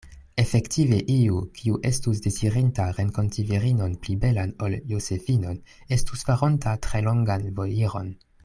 Efektive iu, kiu estus dezirinta renkonti virinon pli belan ol Josefinon, estus faronta tre longan vojiron.